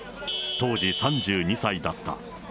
当時３２歳だった。